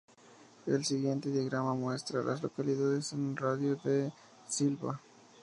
El siguiente diagrama muestra a las localidades en un radio de de Sylva.